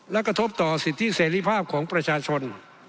และกระทบต่อสิทธิเสรีภาพของประชาชน